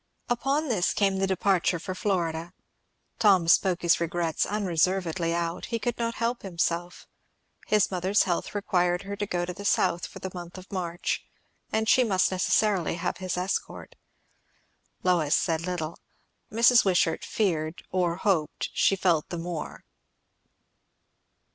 Upon this came the departure for Florida. Tom spoke his regrets unreservedly out; he could not help himself, his mother's health required her to go to the South for the month of March, and she must necessarily have his escort. Lois said little. Mrs. Wishart feared, or hoped, she felt the more.